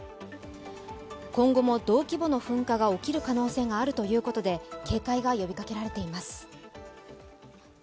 今後も同規模の噴火が起きる可能性があるということで警戒が呼びかけられています。